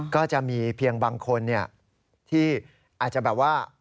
ก็จะมีเพียงบางคนที่อาจจะแบบว่า